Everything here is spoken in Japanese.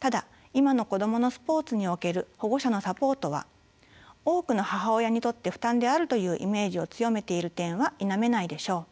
ただ今の子どものスポーツにおける保護者のサポートは多くの母親にとって負担であるというイメージを強めている点は否めないでしょう。